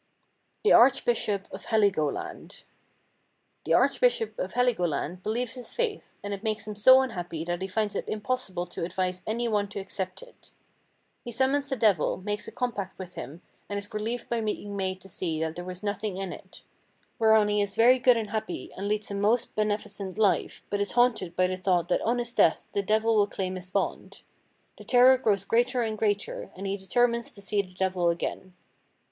The Archbishop of Heligoland The Archbishop of Heligoland believes his faith, and it makes him so unhappy that he finds it impossible to advise any one to accept it. He summons the Devil, makes a compact with him and is relieved by being made to see that there was nothing in it—whereon he is very good and happy and leads a most beneficent life, but is haunted by the thought that on his death the Devil will claim his bond. This terror grows greater and greater, and he determines to see the Devil again.